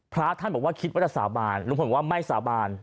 พระท่านบอกว่าคิดว่าจะสาบานลุงพลบอกว่าไม่สาบาน